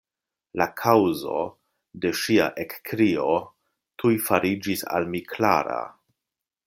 La kaŭzo de ŝia ekkrio tuj fariĝis al mi klara.